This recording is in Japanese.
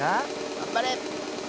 がんばれ！